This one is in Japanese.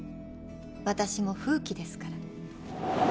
私も風鬼ですから。